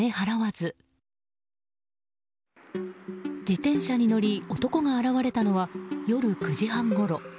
自転車に乗り、男が現れたのは夜９時半ごろ。